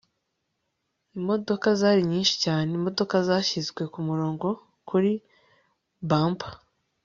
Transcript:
imodoka zari nyinshi cyane. imodoka zashyizwe kumurongo kuri bumper